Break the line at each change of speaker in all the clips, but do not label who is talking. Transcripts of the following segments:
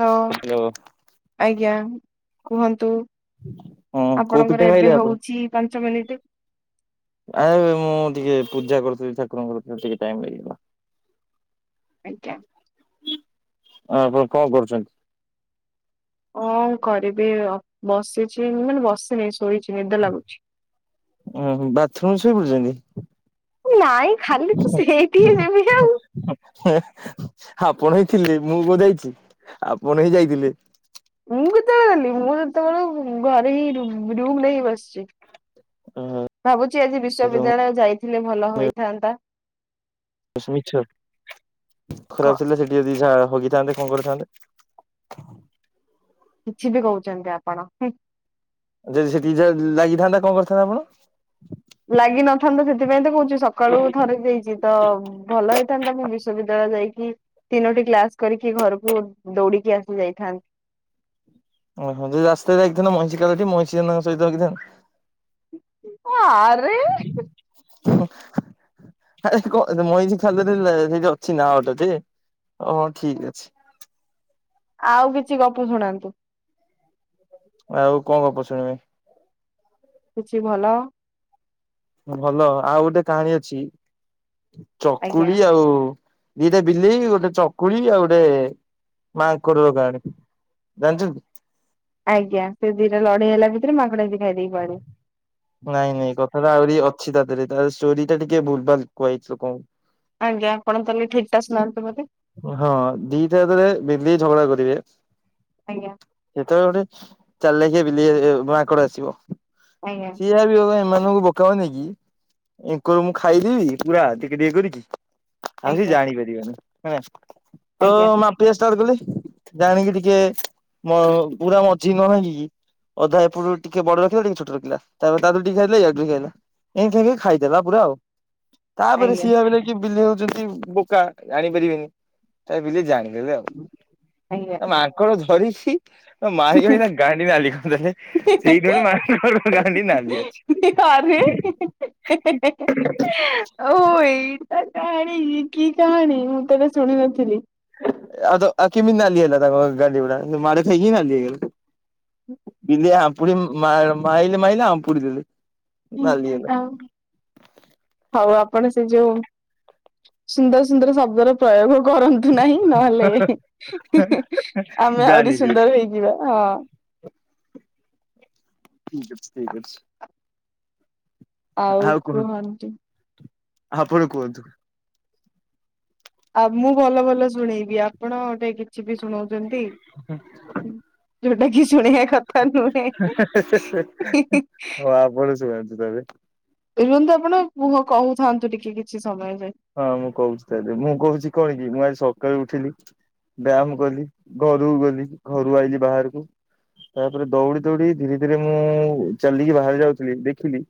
ଲୋ
hello
ଆଜ୍ଞା କୁହନ୍ତୁ।
ହଁ
ଆପଣଙ୍କର ଏବେ ହଉଛି ପାଞ୍ଚ ମିନିଟ
ଆରେ ମୁଁ ଟିକେ ପୂଜା କରୁ ଛି ଠାକୁରଙ୍କ ଟିକେ ଟାଇମ୍ ଲାଗିବ।
ଆଜ୍ଞା।
ଆପଣ କଣ କରୁଛନ୍ତି?
ହଁ କରିବି ବସିଛି ମୁଁ ମାନେ ବସିନି ଶୋଇଛି। ନିଦ ଲାଗୁଛି।
ଉଁ ହୁଁ ବାଥରୁମରେ ଶୋଇପଡ଼ିଛନ୍ତି।
ନାଇଁ ଖାଲି ତ ସେଇଠିକି ଯିବି ଆଉ।
ଆପଣ ଥିଲେ ମୁଁ ଜାଇଛି ଆପଣ ହିଁ ଯାଇଥିଲେ।
ମୁଁ କେତେବେଳେ ଗଲି ମୁଁ ଯେତେବେଳେ ଘରେ ହିଁ ରୁମ ନେଇ ବସିଛି। ଭାବୁଛି ଆଜି ବଶ୍ୱବିଦ୍ୟାଳୟ ଯାଇଥିଲେ ଭଲ ହୋଇଥାନ୍ତା?
ଏ ସବୁ ମିଛ
କଣ
ଖରାପ ଥିଲେ ସେଠି ଯଦି ଯାହା ର ଭୋଗିଥାନ୍ତେ କଣ କରିଥାନ୍ତେ?
କିଛି ବି କହୁଛନ୍ତି ଆପଣ ହୁଁ।
ଯଦି ସେଠି ଯା ଲାଗିଥାନ୍ତା କଣ କରିଥାନ୍ତେ ଆପଣ?
ଲାଗିିନଥାନ୍ତତା ସେଥିପାଇଁ ତ କହୁ ଛି ସକାଳୁ ଥରେ ଦେଇଛି ତ ଭଲ ହେଇଥାନ୍ତା ମୁଁ ବିଶ୍ୱବିଦ୍ୟାଳୟ ଯାଇ କି ତିନୋଟି କ୍ଲାସ କରିକି ଘରକୁ ଦୌଡିକି ଆସି ଯାଇଥାନ୍ତି।
ଓହୋ ଯଦି ରାସ୍ତାରେ ଯାଇଥାନ୍ତ ମଇଁଷି ଖାଲଠି ମଇଁଷି ମାନଙ୍କ ସହିତ ହଗି ଥାନ୍ତ।
ଆରେ ହେ।
ହିଁ ଆରେ କ ମଇଁଷି ଖାଲରେ ଲେ ଅଛି ନା [unintelligible] ଠି ହ ଠିକ୍ ଅଛି।
ଆଉ କିଛି ଗପ ଶୁଣାନ୍ତୁ?
ଆଉ କଣ ଗପ ଶୁଣିବେ?
କିଛି ଭଲ
ଭଲ ଆଉ ଗୋଟେ କାହାଣୀ ଅଛି
ଆଜ୍ଞା
ଚକୁଳି ଆଉ ଦିଟା ବିଲେଇ ଗୋଟେ ଚକୁଳି ଆଉ ଗୋଟେ ମାଙ୍କଡ଼ ର କାହାଣୀ। ଜାଣିଛନ୍ତି।
ଆଜ୍ଞା ସେ ଦିଟା ଲଢେଇ ହେଲା ଭିତରେ ମାଙ୍କଡ଼ ଆସିକି ଖାଇ ଦେଇ ପଳାଏ।
ନାଇଁ ନାଇଁ କଥାଟା ଆହୁରି ଅଛି ତା ଦେହରେ ତାର ଷ୍ଟୋରି ଟା ଟିକେ ଭୁଲ ଭଲ କୁହାଯାଇଛି ଲୋକଙ୍କୁ।
ଆଜ୍ଞା ଆପଣ ତାହେଲେ ଠିକ୍ ଟା ଶୁଣାନ୍ତୁ। ମତେ
ହଁ ଦିଟା ଯେତେବେଳ ବିଲେଇ ଝଗଡା କରିବେ
ଆଜ୍ଞା
ସେତେବେଳେ ଗୋଟେ ଚାଲାଖିଆ ବିଲେଇ ଏ ମାଙ୍କଡ ଆସିବ
ଆଜ୍ଞା
ଠିଆ ବି ହୋଗା ଏମା ଏମାନଙ୍କୁ ବୋକା ବନେଇକି ଏଙ୍କାର ମୁଁ ଖାଇଦେବି ପୁରା ଟିକେ ଟିକେ କରିକି ଆଉ ସେ
ଆଜ୍ଞା
ଜାଣିପାରିବନି ହେଲା ତ
ଆଜ୍ଞା
ମାପିବା ଷ୍ଟାର୍ଟ କଲେ। ଜାଣିକି ଟିକେ ମ ପୁରା ମଝିକି ନ ଭାଙ୍ଗିକି କି ଅଧା ଏପଟୁ ଟିକେ ବଡ ରଖିଲା ଟିକେ ଛୋଟ ରଖିଲା ତାପରେ ତା ଠାରୁ ଟିକେ ଖାଇଲା ୟାଠୁ ଟିକେ ଖାଇଲା। ଏମିତି ହେଇକି ଖାଇଦେଲା ପୁରା ଆଉ। ତାପରେ
ଆଜ୍ଞା
ସିଏ ଭାବିଲା କି ବିଲେଇ ହଉଛନ୍ତି ବୋକା ଜାଣିପାରିବେନି ତା ବିଲେଇ ଜାଣି ଲେ ଆଉ ୟା ମାଙ୍କଡ଼ ଧରିଛି ମାରିକି ନା ଗାଣ୍ଡି ନାଲି କରିଦେଲେ ସେଇ
ଆଜ୍ଞା।
ଦିନଠୁ ମାଙ୍କଡ ର ଗାଣ୍ଡି ନାଲି ଅଛି।
ଆରେ ହେଁ ହେଁ ଓହୋ ଏଇଟା। କାହାଣୀ କି କାହାଣୀ ମୁଁ ତ ଏଇଟା ଶୁଣି ନଥିଲି।
ଆଉ ତ ଆଉ କେମିତି ନାଲି ହେଲା ତାଙ୍କ ଗାଣ୍ଡି ଗୁଡ଼ା ମାଡ ଖାଇକି ନାଲି ହେଇ ଗଲା ବିଲେଇ ଆମ ପୁଣି ମା ମାଇଲେ ମାଇଲେ ଆମ୍ପୁଡ଼ି ଦେଲେ। ନାଲି ହେଲା।
ହଉ ଆଉ। ଆପଣ ସେ ଯୋଉ ସୁନ୍ଦର ସୁନ୍ଦର ଶବ୍ଦର ପ୍ରୟୋଗ କରନ୍ତୁ ନାହିଁ ନହେଲେ ହେଁ ହେଁ ଆମେ
ବ୍ୟାନ
ଆହୁରି
ହେଇଯିବେ
ସୁନ୍ଦର ହେଇଯିବା ହଁ।
ଠିକ ଅଛି ଠିକ ଅଛି।
ଆଉ କୁହନ୍ତି।
ଆପଣ କୁହନ୍ତୁ।
ଆଉ ମୁଁ ଭଲ ଭଲ ଶୁଣେଇବି ଆପଣ ଗଟେ କିଛି ବି ଶୁଣ ଶୁଣନ୍ତି ଯୋଉଟା କି ଶୁଣେଇବା କଥା ନୁହେଁ।
ହେଁ ହେଁ ହେଁ ହଉ ଆପଣ ଶୁଣନ୍ତୁ ଏବେ।
ରୁହନ୍ତୁ ଆପଣ ମୁୁହ କହୁଥାନ୍ତୁ ଟିକେ କିଛି ସମୟ ଯାଏ
ହଁ ମୁଁ କହୁଛି ତାହେଲେ ମୁଁ କହୁଛି କଣ କି ମୁଁ ଆଜି ସକ ସକାଳେ ଉଠିଲି ବ୍ୟାୟାମ କଲି ଘରୁକୁ ଗଲି ଘରୁ ଆଇଲି ବାହାରକୁ ତାପରେ ଦୌଡି ଦୌଡି ଧୀରେ ଧୀରେ ମୁଁ ଚାଲିକି ବାହାରେ ଯାଉଥିଲି ଦେଖିଲି।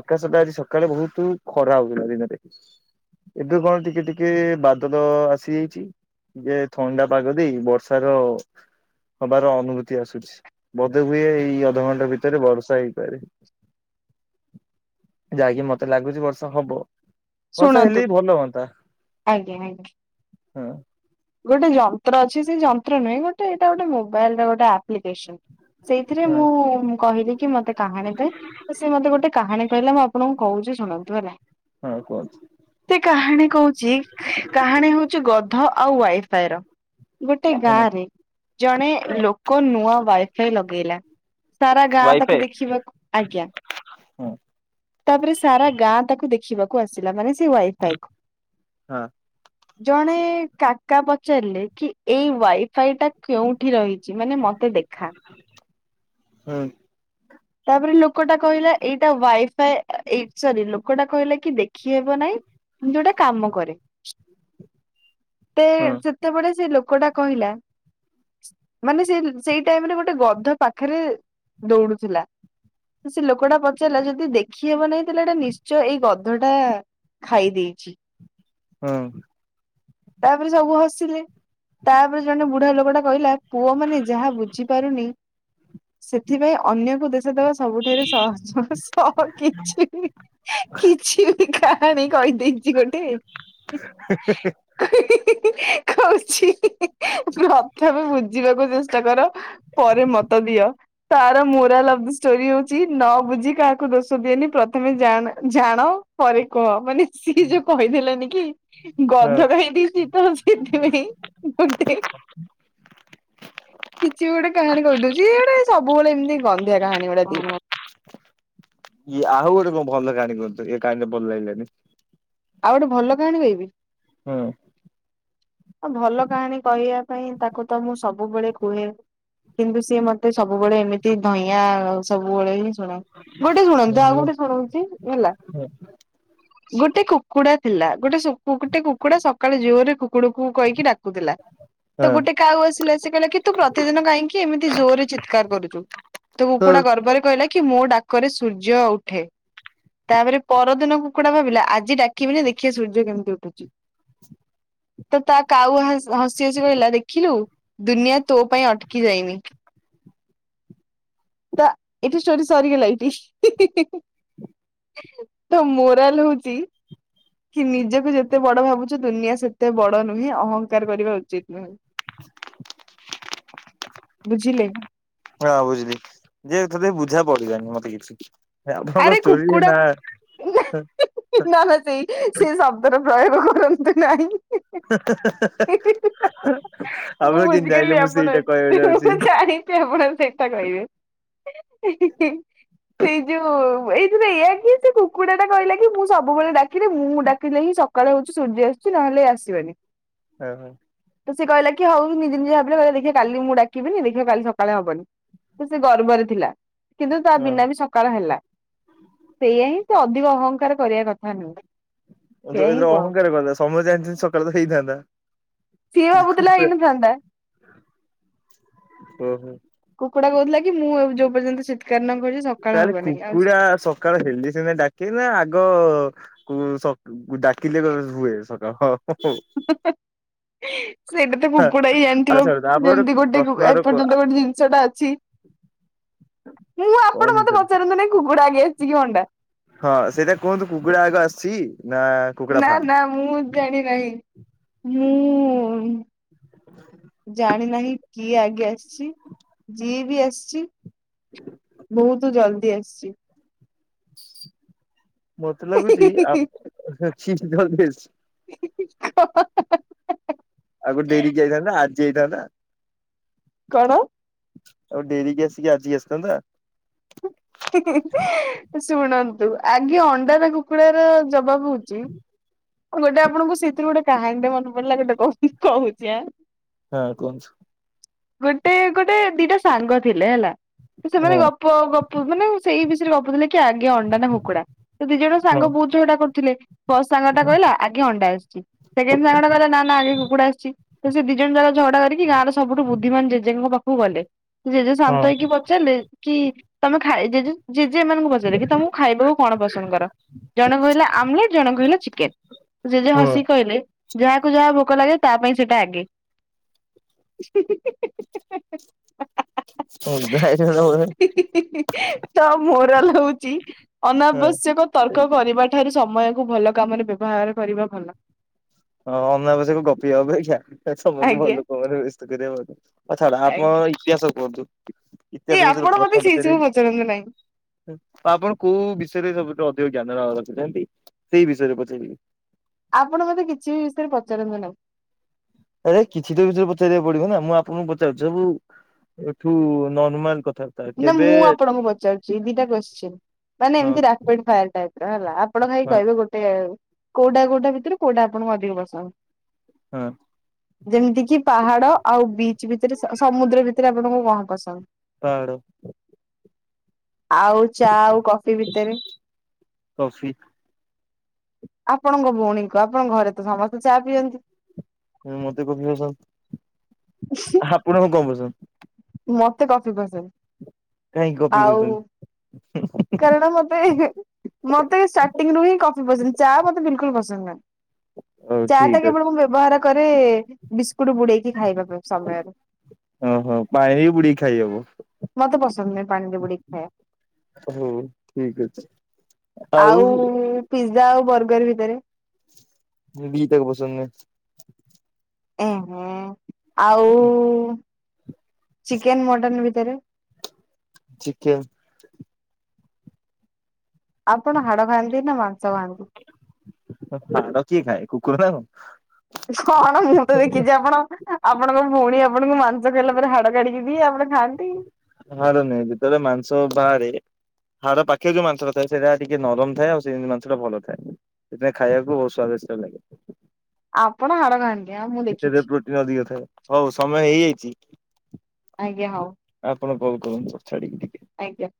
ଆକାଶ ଟା ଆଜି ସକାଳେ ବହୁତ ଖରା ହଉଥିଲା ଦିନରେ। ଏବେ କଣ ଟିକେ ଟିକେ ବାଦଲ ଆସି ଯାଇଛି। ଯେ ଥଣ୍ଡା ପାଗ ଦେଇ ବର୍ଷାର। ହବାର ଅନୁଭୂତି ଆସୁଛି ବୋଧେ ହୁଏ ଏଇ ଅଧଘଣ୍ଟା ଭିତରେ ବର୍ଷା ହେଇପାରେ।
[inaudible]
ଯାକି ମତେ ଲାଗୁଛି ବର୍ଷା ହବ। ବର୍ଷା
ଶୁଣନ୍ତୁ
ହେଲେ ବି ଭଲ ହୁଅନ୍ତା
ଆଜ୍ଞା ଆଜ୍ଞା।
ହଁ।
ଗୋଟେ ଯନ୍ତ୍ର ଅଛି ସେ ଯନ୍ତ୍ର ନୁହେଁ ଗୋଟେ ଏଇଟା ଗୋଟେ ମୋବାଇଲ ରେ ଗୋଟେ ଆପ୍ଲିକେସନ ‌। ସେଇଥିରେ
ହଁ
ମୁଁ କହିଲି କି ମତେ କାହାଣୀ ପାଇଁ ସେ ମତେ ଗୋଟେ କାହାଣୀ। କହିଲା ମୁଁ ଆପଣଙ୍କୁ କହୁଛି ଶୁଣନ୍ତୁ ହେଲା।
ହଁ କୁହନ୍ତୁ
ସେ କାହାଣୀ କହୁଛି କାହାଣୀ ହଉଛି ଗଧ। ଆଉ ୱାଇଫାଇ ର ଗୋଟେ
ହଁ
ଗାଁରେ ଜଣେ ଲୋକ ନୂଆ। ୱାଇଫାଇ ଲଗେଇଲା ସାରା ଗାଁ ତାକୁ
ୱାଇଫାଇ
ଦେଖିବାକୁ ଆଜ୍ଞା।
ହଁ
ତାପରେ ସାରା ଗାଁ ତାକୁ ଦେଖି। ଦେଖିବାକୁ ଆସିଲା ମାନେ ସେ ୱାଇଫାଇ କୁ ଜଣେ। କାକା ପଚାରିଲେ କି ଏଇ ୱାଇଫାଇ ଟା କେଉଁଠି ରହି ଚି ମାନେ ମତେ ଦେଖା।
ହୁଁ।
ତାପରେ ଲୋକଟା କହିଲା ଏଇଟା ୱାଇଫାଏ ଏଇ ସରି ଲୋକଟା କହିଲା କି ଦେଖିହେବ ନାଇଁ। ଯୋଉଟା କାମ କରେ ତେ
ହଁ
ସେତେବେଳେ ସେ ଲୋକ। କ‌ ଟା କହିଲା। ମାନେ ସେ ସେଇ ଟାଇମ ରେ ଗୋଟେ ଗଧ ପାଖରେ ଦୌଡୁଥିଲା। ସେ ଲୋକଟା ପଚାରିଲା ଯଦି ଦେଖିହବ ନାହିଁ ତାହଲେ ଏଇଟା ନିଶ୍ଚୟ ଏଇ ଗଧ ଟା। ଖାଇ ଦେଇଛି।
ହଁ।
ତାପରେ ସବୁ ହସିଲେ ତାପରେ ଜଣେ ବୁଢା ଲୋକ ଟା କହିଲା। ପୁଅ ମାନେ ଯାହା ବୁଝି ପାରୁନି ସେଥିପାଇଁ ଅନ୍ୟକୁ ଦୋଶ ଦବା। ସବୁଠାରେ ସହଜ ସହ କିଛି ବି କିଛି ବି କାହାଣୀ କହି। ଦେଇଛି ଗୋଟେ କଉଛି। ପ୍ରଥମେ ବୁଝିବାକୁ ଚେ ଷ୍ଟା କର ପରେ ମତ ଦିଅ ତାର ମୁରାଲ ଅଫ ଦ ଷ୍ଟୋରି ହଉଛି ନ ବୁଝି କାହାକୁ ଦୋଷ ଦିଏନି ପ୍ରଥମେ ଜାଣ୍ ଜାଣ ପରେ କୁହ ମାନେ। ସିଏ ଯୋଉ କହି ଦେଲେନି କି।
ହଁ।
ଗଧ ଖାଇ ଦେଇଛି ତ ସେଥିପାଇଁ ଗୋଟେ। କିଛି ବି ଗୋଟେ କାହାଣୀ କହି ଦଉଛି ଇଏ ଗୋଟେ ସବୁବେଳେ ଏମିତି ଗନ୍ଧିଆ। କାହାଣୀ ଗୁଡା ଦିଏ।
ଇଏ ଆଉ ଗୋଟେ କଁ ଭଲ କାହାଣୀ। କୁହନ୍ତୁ ଏ କାହାଣୀ ରେ ଭଲ ଲାଗିଲାନି।
ଆଉ ଗୋଟେ ଭଲ କାହାଣୀ କହିବି।
ହୁଁ।
ଭଲ କାହାଣୀ କହିବା ପାଇଁ ତାକୁ ତ ମୁଁ ସବୁବେଳେ କୁହେ। କିନ୍ତୁ ସିଏ ମତେ ସବୁବେଳେ ଏମିତି ଧଇଁଆଁ ସବୁବେଳେ ହିଁ। ଗୋଟେ ଶୁଣନ୍ତୁ ଆଉ
ହୁଁ
ଗୋଟେ ଶୁଣଉଛି ହେଲା
ହଁ
ଗୋଟେ କୁ କୁଡ଼ା ଥିଲା ଗୋଟେ ସୁ ଗୋଟେ କୁକୁଡ଼ା ସକାଳେ ଜୋର ରେ କୁକୁଡୁ କୁ କହିକି ଡାକୁଥିଲା। ତ ଗୋଟେ କାଉ ଆସିଲା ସେ କହିଲା କି ତୁ ପ୍ରତିଦିନ କାହିଁକି ଏମିତି ଜୋରରେ ଚିତ୍କାର କରୁଛୁ। ତ
ହୁଁ
କୁକୁଡା ଗର୍ବ ରେ କହିଲା କି ମୋ ଡାକ ରେ ସୂର୍ଯ୍ୟ ଉଠେ। ତାପରେ ପରଦିନ କୁକୁଡ଼ା ଭାବିଲା ଆଜି ଡାକି ବିନି ଦେଖିେ ବା ସୂର୍ଯ୍ୟ କେମିତି ଉଠୁଛି। ତ ତା କାଉ ହାସ ହସି ହସି କହିଲା ଦେଖିଲୁ ଦୁନିଆ ତୋ ପାଇଁ ଅଟକି ଯାଇନି। ତ ଏଠି ଷ୍ଟୋରି ସରିଗଲା ଏଇଠି। ତ ମୋରାଲ ହଉଛି? କି ନିଜକୁ ଯେତେ ବଡ ଭାବୁଛ ଦୁନିଆ ସେତେ ବଡ ନୁହେଁ ଅହଂଙ୍କାର କରିବା ଉଚିତ ନୁହେଁ। ବୁଝିଲେ?
ହଁ ବୁଝିଲି ଯେ ଏଥି ବୁଝା ପଡିଲାନି ମତେ କିଛି। ଆପଣଙ୍କ
ଆରେ
ଷ୍ଟୋରି
କୁକୁଡ଼ା
ନା
ନଲେ ସେଇ ସେ ଶବ୍ଦର ପ୍ରୟୋଗ କରନ୍ତୁ ନାହିଁ।
ହେଁ ହେଁ ହେଁ
ହେଁ ମୁଁ ବୁଝିଗଲି ଆପଣ
ସେଇଟା କହିବାକୁ ଯାଉଛି।
ମୁଁ ଜାଣିଛି ଆପଣ ସେଇଟା କହିବେ? ହିଁ ହିଁ ସେ ଯୋଉ ଏଇଥିରେ ଏଆ କି ସେ କୁକୁଡ଼ା ଟା କହିଲା କି ମୁଁ ସବୁବେଳେ ଡାକିଲେ ମୁଁ ଡାକିଲେ ହିଁ ସକାଳେ ହଉଛି। ଆସୁଛି ନହେଲେ ଆସିବେନି।
ଓ ହୋ।
ତ ସେଏ କହିଲା କି ହଉ ନିେ ନିଜେ ଭାବିଲେ କିଲ ଦେଖିବା କାଲି ମୁଁ ଡାକିବିନି ଦେଖବା କଲି ସକାଳେ ହବନି। ସେ ଗର୍ବରେ ଥିଲା କିନ୍ତୁ ତା
ହଁ। ହଁ
ବିନା ବି ସକାଳ ହେଲା ସେଇଆା ସେ ଅଧିକ ଅହଂଙ୍କାର କରିବା କଥା ନୁହେଁ। ସେଇଆ ହିଁ
ଯାଉଥି
କୁହାହଉଛି।
ଅହଙ୍କାର କଥା ସମୟ ଜାଣି ଛନ୍ତୀ ସକାଳେ ତ ହେଇଥାନ୍ତା।
ସିଏଭାବୁଥିଲା ହୋଇନଥାନ୍ତା।
ହୁଁ ହୁଁ।
କୁକୁଡା କହୁଥିଲା କି ମୁଁ ଯୋଉ ପର୍ଯ୍ୟନ୍ତ ଶ
ତାହେଲେ କୁକୁଡ଼ା ସକାଳ ହେଲେସିନା ଡାକି ନା ଆଗ କୁ ସ ଡାକିଲେ ହୁଏ ସକାଳ ହ।
ହୁଁ ହୁଁ। ହିଁ ସେଇଟା ତ କୁପଡା ହି ଜଣିଥିବ
ଆଚ୍ଛା ତାପରେ
ଯେମିତି ଗୋଟେ
ପ୍ରଶ୍ନର
ଏପର୍ଯ୍ୟନ୍ତ ଗୋଟେ ଜିନିଷ ଟା ଅଛି। ମୁଁ ତ୍।
କନି ସେଗୁଡ଼ା।
ଇଏ ଅଣ୍ଡା।
ହଁ ସେଇଟା କୁହନ୍ତୁ କୁକୁଡା ଆଗ ଆସିଛି? ନା କୁକୁଡ଼ା
ନା
ଫାର୍ମ?
ନା ମୁଁ ଜାଣି ନାହିଁ ମୁଁ ଜାଣିନାହିଁ କିଏ ଆଗେ ଆସିଛି ଯିଏ ବି ଆସିଛି? ବହୁତ ଜଲଦି ଆସଛି।
ମତେ ଲାଗୁଛି [inaudible]
ହିଁ ହିଁ ଓଃ ଓଃ ଓଃ।
ଆଉ ଗୋଟେଡରିି ଯାଇଥାନ୍ତା ଆଜି ଯାଇଥାନ୍ତା।
କଣ?
ଆଉ ଡେରି କି ଆସିକି ଆଜିି ଆସିଥାନ୍ତା।
ହୁଁ ହୁଁ ଶୁଣନ୍ତୁ ଆଗେ ଅଣ୍ଡାର କୁକୁଡାର ଜପ ଙ୍କହହୁଛି? ଆଉ ଗୋଟେ ଆପଣଙ୍କୁ ସେଇଥିରୁ ଗୋଟେ କାହାଣୀଟ ମନେ ପଡିଲା ଗୋଟେ କହୁ କହୁଛି ଆଁ।
ହଁ କୁହନ୍ତୂ?
ଗୋଟେ ଗୋଟେ ଦିଟା ସାଙ୍ଗ ଥିଲେ ହେଲା ତ ସେମାନେ
ହଁ
ଗପ ଗପ ମାନେ ସେଇ ବିୟ ଗପଥିଲେ କି ଆଗେ ଅଣ୍ଡା ନା ଭୁକୁଡା ତ ଦି ଜଣ
ହଁ
ସାଙ୍ଗ ବହୁତଝଗଡା କରୁଥିଲେ ବ ସାଙ୍ଗ ଟା
ହଁ
କହିଲା ଆଗେ ଅଣ୍ଡା ଆସିଛି ସେ ସାଙ୍ଗ କଲେ ନାଗ କୁକୁଡା ଆସିଛି ସେ ଦି ଜଣ ଜା ଝଗଡା କରିକି ଗଁ ଓଁ ସବୁଠୁ ବୁଦ୍ଧିମାନ ଜେଜେଙ୍କ ପାଖକୁ ଗଲେ ଜେଜେ ଶାନ୍ତ
ହଁ।
ହେଇକି ପଚାରିଲେ କି ତମେ ଖାଇ ଜେଜେ ଜେଜେ ଏମାନଙ୍କୁ ପଚାରିଲେ କି ତମକୁ ଖାଇବାକୁ କଣ ପସନ୍ଦ କର ଜଣେ କହିଲା ଆମଲେଟ ଜଣେ କହିଲା ଚିକେନ। ସେ ଯେ
ହଁ
ହସି କହିଲେ ଯାହାକୁ ଯାହା ଭୋକ ଲାଗେ ତା ପାଇଁ ସେଇଟା ଆଗେ ହୁଁ ହୁଁ ହୁଁ ହୁଁ।
[inaudible]
ହୁଁ ହୁଁ ହୁଁ ତ ମୋରାଲ ହଉଛି ଅନାବଶ୍ୟକ ତର୍କ କରିବା ଠାରୁ ସମୟ କୁ ଭଲ କାମରେ ବ୍ୟବହାର କରିବା ଭଲ।
ହଁ ଅନାବଶ୍ୟକ ଗପିିବା ଅପେକ୍ଷା ତମକୁ ଭଲ
ଆଜ୍ଞା
ଲୋକମାନେ ବ୍ୟସ୍ତ କରିବା ପାଁଇ ଅଛ ତ ଛାଡ
ଆଜ୍ଞା
ଆପଣଙ୍କର ଇତିହାସ କୁହନ୍ତୁ।
ଏଇ
ଇତିହାସ ବିଷୟରେ
ଆପଣ ମତେ
ପ୍ରଶ୍ନ
ସେଇ ସବୁ ପଚାରନ୍ତୁ ନାହିଁ।
ପଚାରିବା କି ଆପଣ କୋଉ ବିଷୟରେ ସବୁଠୁ ଅ ଯଉ ଜ୍ଞାନ ଅ ରଖିଚନ୍ତି ସେଇ ବିଷୟରେ ପଚାରିବି।
ଆପଣ ମତେ କିଛି ବି ବିଷୟରେ ପଚାରନ୍ତୁ ନାହିଁ।
ଆରେ କିଛି ତ ବିଷୟରେ ପଚାରିବାକୁ ପଡିବ ନା ମୁଁ ଆପଣଙ୍କୁ ପଚାରୁଛି ସବୁ ଠୁ ନର୍ମାଲ କଥା
ନା ମୁଁ ଆପଣଙ୍କୁ ପଚାରୁଛି ଦିଟା କୋଶ୍ଚିନ୍ ମାନେ
ହଁ
ଏମତି ରାପିଡ୍ ଫାୟାର ଟାଇପ ଟା ହେଲା ଆପଣ ଖାଲି
ହଁ
କହିବେ ଗୋଟେ କଉଟା କୋଉଟା ଭିତରୁ କୋଉଟା ଆପଣଙ୍କୁ ଅଧିକ ପସନ୍ଦ।
ହଁ
ଯେମିତି କିି ପାହାଡ ଆଉ ବିଚ୍ ଭିତରେ ସ ସମୁଦ୍ର ଭିତରେ ଆ ଆପଣଙ୍କର କଣ ପସନ୍ଦ?
ପାହାଡ଼।
ଆଉ ଚା ଆଉ କଫି ଭିତରେ?
କଫି।
ଆପଣଙ୍କ ଭଉଣୀଙ୍କୁ ଆପଣଙ୍କ ଘରେ ତ ସମସ୍ତେ ଚା ପିଅନ୍ତି।
ହଁ ମତେ କଫି ପସନ୍ଦ ଆପଣଙ୍କୁ କଣ ପସନ୍ଦ?
ମତେ କଫି ପସନ୍ଦ।
କାହିଁକି କଫି
ଆଉ
ପିଉଚନ୍ତି?
କାରଣ ମତେ ମତେ ଷ୍ଟାର୍ଟିଂ ରୁ ହିଁ କଫି ପସନ୍ଦ ଚା ମତେ ବିଲକୁଲ ପସନ୍ଦ ନୁହେଁ।
ହଉ
ଚା ଟା
ଠିକ
କେବଳ
ଅଛି
ମୁଁ ବ୍ୟବହାର କରେ ବିସ କୁଟ ବୁଡେଇକି ଖାଇବା ପାଇଁ ସମୟରେ।
ଓହୋ ପାଣିରେ ବି ବୁଡେଇକି ଖାଇ ହବ।
ରେ ବୁଡେଇକି ଖାଇବା
ଠିକ ଅଛି
ଆଉ ପିଜ଼ା ଆଉ ବର୍ଗର ଭିତରେ?
ଦି ଟାକ ପସନ୍ଦ ନୁହେଁ।
ଉ ହୁଁ ଆଉ ଚିକେନ ମଟନ ଭିତରେ?
ଚିକେନ୍।
ଆପଣ ହାଡ ଖାଆନ୍ତି ନା ମାଂସ ଖାଆନ୍ତି?
ହାଡ଼ କିଏ ଖାଏ କୁକୁର ନା କଣ?
କଣ ମୁଁ ତୁ ଦେଖିଛି ଆପଣ ଆପଣଙ୍କ ଭଉଣୀ ଆପ ଆପଣଙ୍କୁ ମାଂସ ଖାଇଲା ପରେ ହାଡ କାଡିକି ଦିଏ ଆପଣ ଖାଆନ୍ତି।
ହାଡ଼ ନାହିଁ ଯେତେବେଳେ ମାଂସ ବାହାରେ ହାଡ଼ ପାଖେ ଯୋଉ ମାଂସଟା ଥାଏ ସେଇଟା ଟିକେ ନରମ ଥାଏ ଆଉ ସେଇ ମାଂସଟା ଭଲ ଥାଏ। ସେଟା ଖାଇବାକୁ ବହୁତ ସ୍ଵାଦିଷ୍ଟ ଲାଗେ।
ଆପଣ ହାଡ ଖାଆନ୍ତି ଆଉ ମୁଁ
ସେଥିରେ
ଦେଖିଛି
ପ୍ରୋଟିନ ଅଧିକ ଥାଏ ହଉ ସମୟ ହେଇଯାଇଚି
ଆଜ୍ଞା ହଉ।
ଆପଣ କଲ କରନ୍ତୁ ଛାଡ଼ିକି ଟି
ଆଜ୍ଞା।